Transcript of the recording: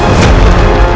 kau akan dihukum